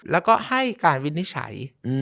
แล้วก็ให้การวินิจฉัย